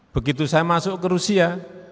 begitu saya masuk ke rusia